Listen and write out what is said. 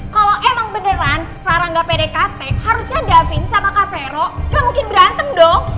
kalau emang beneran rara gak pede katek harusnya davin sama kak vero gak mungkin berantem dong